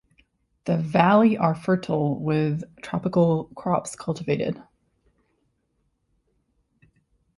The valley are fertile, with tropical crops cultivated.